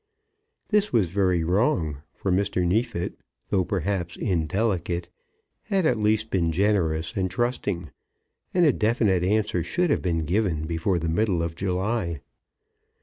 This was very wrong; for Mr. Neefit, though perhaps indelicate, had at least been generous and trusting; and a definite answer should have been given before the middle of July.